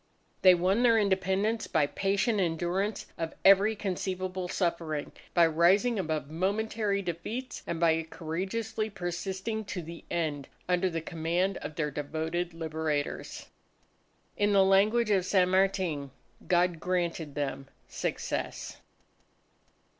They won their Independence by patient endurance of every conceivable suffering, by rising above momentary defeats, and by courageously persisting to the end under the command of their devoted Liberators. In the language of San Martin, "God granted them success."